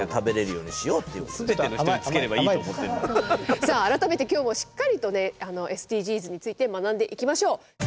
さあ改めて今日もしっかりとねＳＤＧｓについて学んでいきましょう！